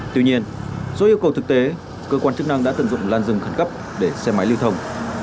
tuy nhiên do yêu cầu thực tế cơ quan chức năng đã tận dụng lan rừng khẩn cấp để xe máy lưu thông